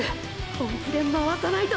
本気で回さないと。